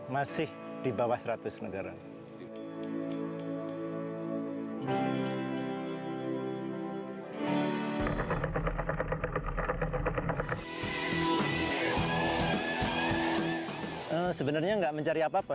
masih di bawah seratus negara